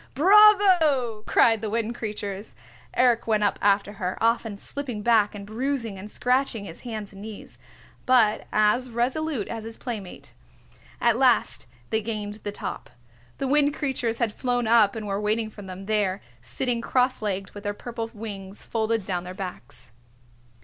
"Bravo!" cried the Wind Creatures. Eric went up after her, often slipping back and bruising and scratching his hands and knees, but as resolute as his playmate. At last they gained the top. The Wind Creatures had flown up and were waiting for them there, sitting cross legged with their purple wings folded down their backs.